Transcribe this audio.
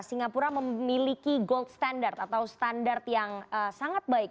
singapura memiliki gold standard atau standar yang sangat baik